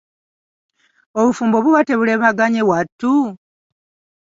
Obufumbo buba tebulemaganye wattu?